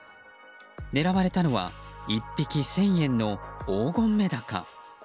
狙われたのは１匹１０００円の黄金メダカ。